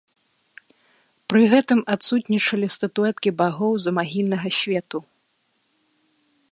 Пры гэтым адсутнічалі статуэткі багоў замагільнага свету.